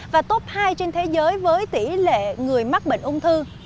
và top hai trên thế giới với tỷ lệ người mắc bệnh ung thư